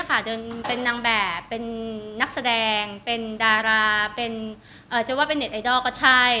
ก็คือเนี่ยค่ะเป็นนางแบบเป็นนักแสดงเป็นดาราจะว่าเป็นเน็ตไอดอลก็ใช่